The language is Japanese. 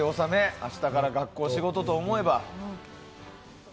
明日から学校、仕事とか思えば。